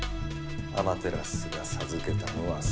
アマテラスが授けたのは「三種の神器」。